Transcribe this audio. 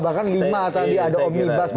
bahkan lima tadi ada omnibus